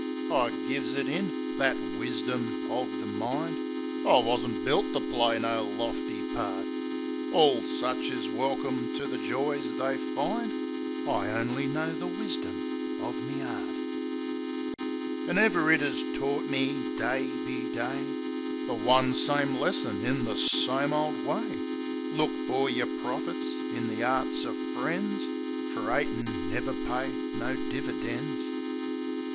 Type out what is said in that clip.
I gives it in — that wisdom o' the mind — I wasn't built to play no lofty part. Orl such is welkim to the joys they find; I only know the wisdom o' the 'eart. THE MOOCH O' LIFE 113 An' ever it 'as taught me, day be day, The one same lesson in the same ole way: "Look fer yer profits in the 'earts o' friends, Fer 'atin' never paid no dividends."